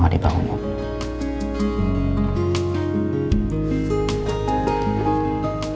masih bangunin gak enak